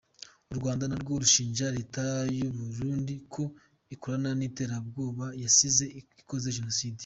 Urwanda narwo rushinja leta y’Uburundi ko ikorana n’interahamwe zasize zikoze genocide.